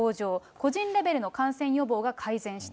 個人レベルの感染予防が改善した。